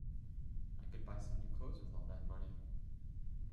I could buy some new clothes with all that money.